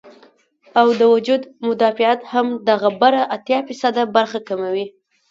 او د وجود مدافعت هم دغه بره اتيا فيصده برخه کموي